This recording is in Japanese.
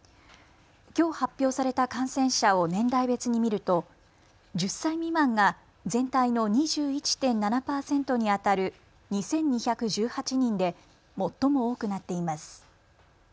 きょう発表された感染者を年代別に見ると１０歳未満が全体の２１．７％にあたる２２１８人で最も多くなっています。